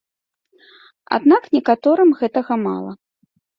Аднак некаторым гэтага мала.